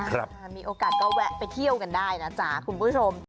มีโอกาสก็แวะไปเที่ยวกันได้นะจ๊ะคุณผู้ชม